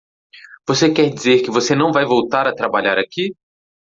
Você quer dizer que você não vai voltar a trabalhar aqui?